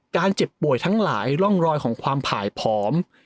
เจ็บป่วยทั้งหลายร่องรอยของความผ่ายผอม